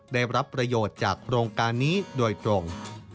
ได้รับประโยชน์จากโครงการนี้โดยตรง